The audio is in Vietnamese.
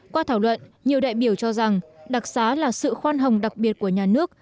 qua thảo luận nhiều đại biểu cho rằng đặc xá là sự khoan hồng đặc biệt của nhà nước